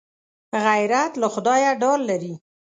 غیرت له خدایه ډار لري